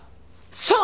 そう！